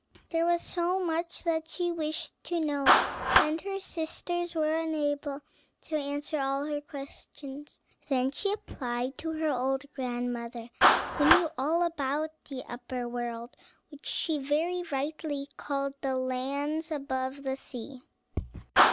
There was so much that she wished to know, and her sisters were unable to answer all her questions. Then she applied to her old grandmother, who knew all about the upper world, which she very rightly called the lands above the sea.